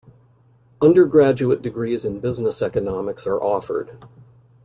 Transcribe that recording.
Undergraduate degrees in business economics are offered.